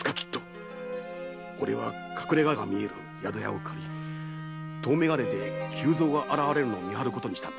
俺は隠れ家が見える宿屋を借り遠眼鏡で久蔵が現れるのを見張ることにした。